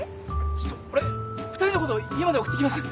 ちょっと俺２人のこと家まで送ってきます。